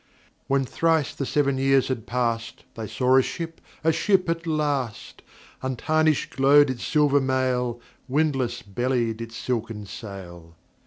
When thrice the seven years had passed They saw a ship, a ship at last! Untarnished glowed its silver mail, Windless bellied its silken sail.